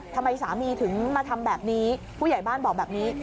ทำไมสามีถึงมาทำแบบนี้ผู้ใหญ่บ้านบอกแบบนี้